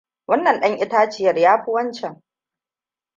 Wannan dan itaciyar ya fi wancan!